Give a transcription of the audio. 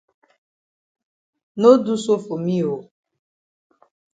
No do so for me oo.